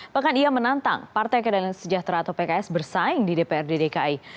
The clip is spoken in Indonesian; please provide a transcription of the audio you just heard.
bahkan ia menantang partai keadilan sejahtera atau pks bersaing di dprd dki